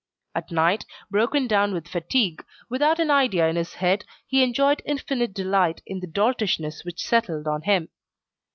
At night, broken down with fatigue, without an idea in his head, he enjoyed infinite delight in the doltishness that settled on him.